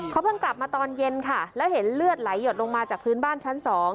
เขาเพิ่งกลับมาตอนเย็นค่ะแล้วเห็นเลือดไหลหยดลงมาจากพื้นบ้านชั้น๒